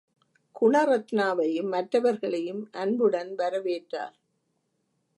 குணரத்னாவையும், மற்றவர்களையும் அன்புடன் வரவேற்றார்.